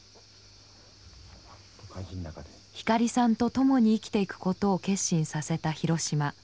光さんと共に生きていくことを決心させた広島。